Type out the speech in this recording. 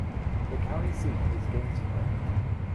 The county seat is Gainesville.